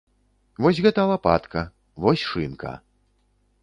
Вось гэта лапатка, вось шынка.